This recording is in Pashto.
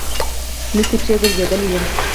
لوڅې پښې ګرځېدلی یم.